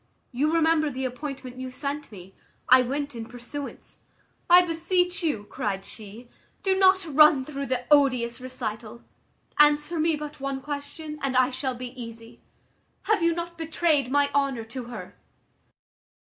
You remember the appointment you sent me; I went in pursuance." "I beseech you," cried she, "do not run through the odious recital. Answer me but one question, and I shall be easy. Have you not betrayed my honour to her?"